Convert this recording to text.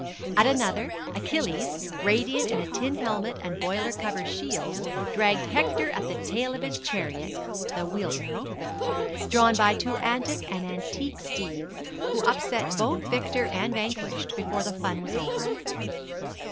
At another, Achilles, radiant in a tin helmet and boiler cover shield, dragged Hector at the tail of his chariot (the wheel barrow), drawn by two antic and antique steeds, who upset both victor and vanquished before the fun was over.